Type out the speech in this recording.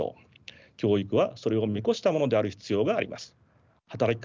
教育はそれを見越したものである必要があります。